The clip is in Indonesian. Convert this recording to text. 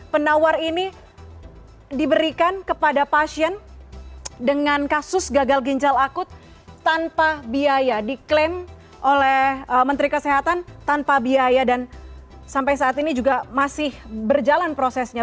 penawar ini diberikan kepada pasien dengan kasus gagal ginjal akut tanpa biaya diklaim oleh menteri kesehatan tanpa biaya dan sampai saat ini juga masih berjalan prosesnya